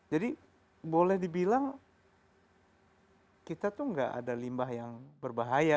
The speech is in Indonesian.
jadi boleh dibilang kita itu tidak ada limbah yang berbahaya